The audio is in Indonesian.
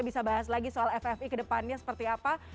bisa bahas lagi soal ffi kedepannya seperti apa